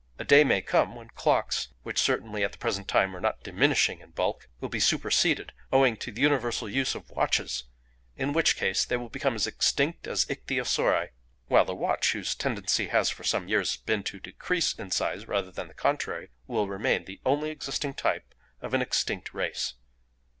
A day may come when clocks, which certainly at the present time are not diminishing in bulk, will be superseded owing to the universal use of watches, in which case they will become as extinct as ichthyosauri, while the watch, whose tendency has for some years been to decrease in size rather than the contrary, will remain the only existing type of an extinct race.